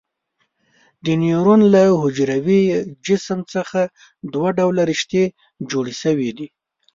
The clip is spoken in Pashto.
د نیورون له حجروي جسم څخه دوه ډوله رشتې جوړې شوي دي.